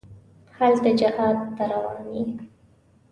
هلته جهاد ته روان یې.